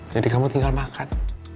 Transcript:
jadi kamu tinggal makan